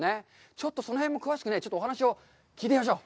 ちょっとその辺も詳しく、ちょっとお話を聞いてみましょう。